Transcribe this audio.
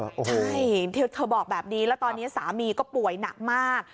ใช่เธอบอกแบบนี้แล้วตอนนี้สามีก็ป่วยหนักมาก